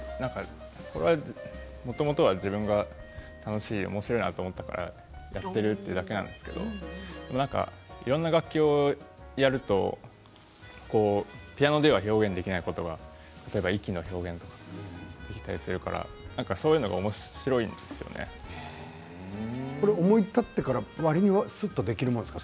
もともとは自分が楽しい、おもしろいなと思ったからやっているというだけなんですけれどいろんな楽器をやるとピアノでは表現できないことが息の表現とかできたりするから思い立ってからすぐできるものですか。